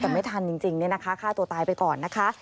แต่ไม่ทันจริงเนี่ยนะคะฆ่าตัวตายไปก่อนนะคะ